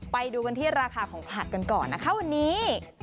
ไปดูกันที่ราคาของผักกันก่อนนะคะวันนี้